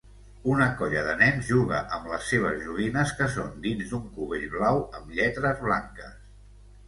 Una colla de nens juga amb les seves joguines que són dins d'un cubell blau amb lletres blanques